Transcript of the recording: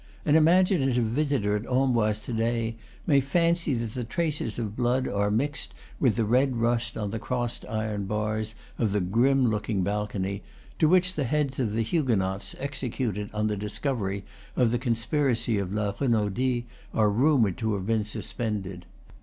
An imaginative visitor at Amboise to day may fancy that the traces of blood are mixed with the red rust on the crossed iron bars of the grim looking balcony, to which the heads of the Huguenots executed on the discovery of the con spiracy of La Renaudie are rumored to have been suspended.